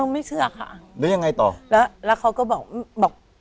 ไม่เชื่อค่ะแล้วยังไงต่อแล้วแล้วเขาก็บอกบอก